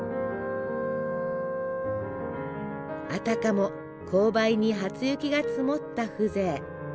あたかも紅梅に初雪が積もった風情。